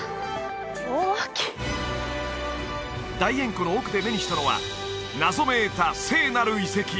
大きい大塩湖の奥で目にしたのは謎めいた聖なる遺跡